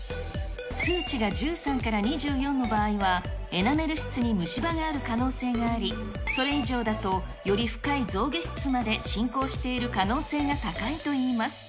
数値が１３から２４の場合は、エナメル質に虫歯がある可能性があり、それ以上だと、より深い象牙質まで進行している可能性が高いといいます。